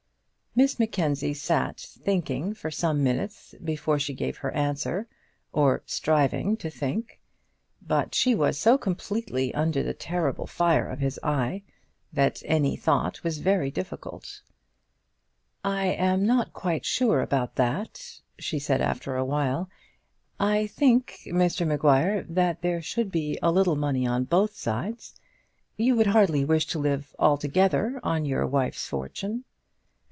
Miss Mackenzie sat thinking for some minutes before she gave her answer or striving to think; but she was so completely under the terrible fire of his eye, that any thought was very difficult. "I am not quite sure about that," she said after a while. "I think, Mr Maguire, that there should be a little money on both sides. You would hardly wish to live altogether on your wife's fortune."